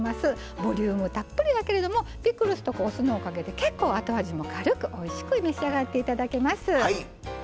ボリュームたっぷりだけどピクルス、お酢もかけて軽くおいしく召し上がっていただけます。